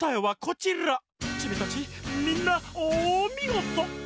チミたちみんなおみごと！